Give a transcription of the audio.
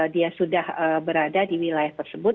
dia sudah berada di wilayah tersebut